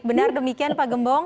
benar demikian pak gembong